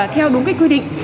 theo đúng quy định